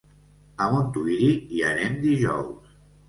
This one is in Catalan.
A Montuïri hi anem dijous.